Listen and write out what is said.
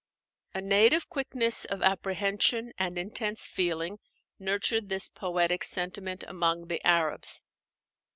A native quickness of apprehension and intense feeling nurtured this poetic sentiment among the Arabs.